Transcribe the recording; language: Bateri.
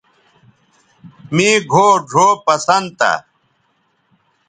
مے گھؤ ڙھؤ پسند تھا